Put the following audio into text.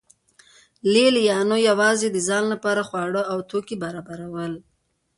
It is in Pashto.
لې لیانو یوازې د ځان لپاره خواړه او توکي برابرول